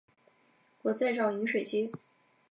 我在找饮水机